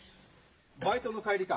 バイトの帰りか？